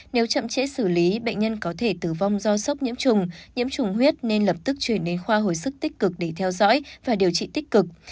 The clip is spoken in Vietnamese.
nếu chậm chế xử lý bệnh nhân có thể tử vong do sốc nhiễm trùng nhiễm trùng huyết nên lập tức chuyển đến khoa hồi sức tích cực để theo dõi và điều trị tích cực